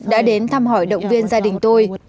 đã đến thăm hỏi động viên gia đình tôi